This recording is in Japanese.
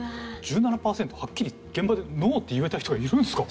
１７パーセントはっきり現場でノーって言えた人がいるんですか？